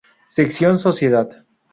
Sección Sociedad.